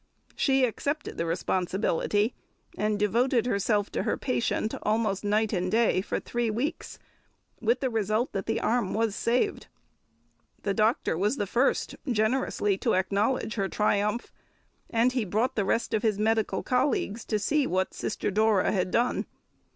She accepted the responsibility, and devoted herself to her patient almost night and day for three weeks, with the result that the arm was saved. The doctor was the first generously to acknowledge her triumph, and he brought the rest of his medical colleagues to see what Sister Dora had done.